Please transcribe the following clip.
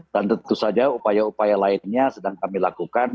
dan tentu saja upaya upaya lainnya sedang kami lakukan